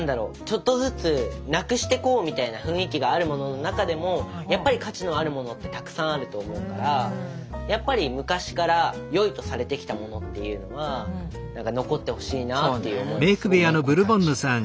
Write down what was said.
ちょっとずつなくしてこうみたいな雰囲気があるものの中でもやっぱり価値のあるものってたくさんあると思うからやっぱり昔から良いとされてきたものっていうのは何か残ってほしいなっていう思いはすごくありますね。